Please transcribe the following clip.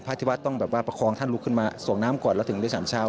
ภาคที่วัดต้องประคองท่านลุกขึ้นมาส่วงน้ำก่อนแล้วถึงได้ฉันเช้า